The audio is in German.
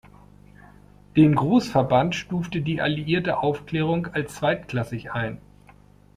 Den Großverband stufte die alliierte Aufklärung als zweitklassig ein.